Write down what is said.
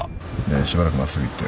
しばらく真っすぐ行って。